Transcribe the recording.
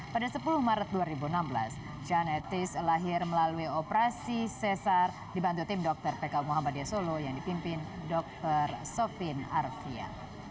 pada sepuluh maret dua ribu enam belas jan etis lahir melalui operasi sesar dibantu tim dokter pku muhammadiyah solo yang dipimpin dr sopin arfia